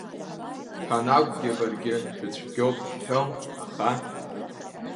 Ԥанагәгьы баргьы шәыцәгьоуп ҳҳәом, аха…